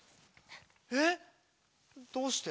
えっどうして？